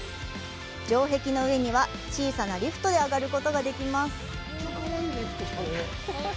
城壁の上には小さなリフトで上がることができます。